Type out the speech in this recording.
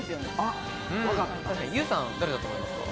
ＹＵさん、誰だと思いますか？